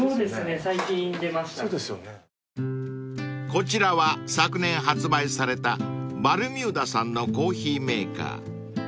［こちらは昨年発売されたバルミューダさんのコーヒーメーカー］